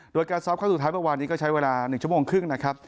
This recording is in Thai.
โดยการซ้อมครั้งสุดท้ายเมื่อวานนี้ก็ใช้เวลา๑ชั่วโมงครึ่งนะครับ